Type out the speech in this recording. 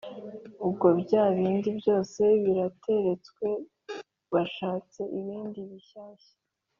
ubwo bya bindi byose birateretswe bashatse ibindi bishyashya.